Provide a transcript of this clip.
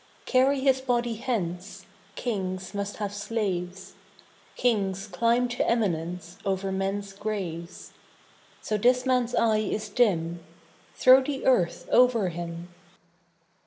Carry his body hence, Kings must have slaves; Kings climb to eminence Over men's graves. So this man's eye is dim; Throw the earth over him.